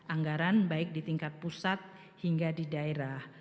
anggaran baik di tingkat pusat hingga di daerah